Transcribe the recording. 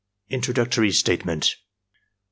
INTRODUCTORY STATEMENT 1.